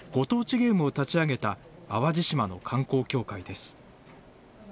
ゲームを立ち上げた淡路島の観光協会です。